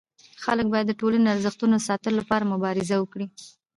خلک باید د ټولني د ارزښتونو د ساتلو لپاره مبارزه وکړي.